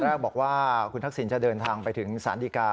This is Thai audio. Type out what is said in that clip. แรกบอกว่าคุณทักษิณจะเดินทางไปถึงสารดีกา